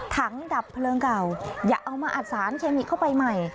ดับเพลิงเก่าอย่าเอามาอัดสารเคมีเข้าไปใหม่